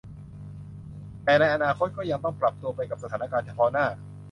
แต่ในอนาคตก็ยังต้องปรับตัวไปกับสถานการณ์เฉพาะหน้า